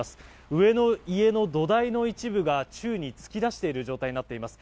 上の家の土台の一部が宙に突き出している状態になっています。